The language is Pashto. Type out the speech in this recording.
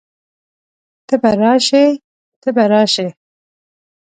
ته به راشئ، ته به راشې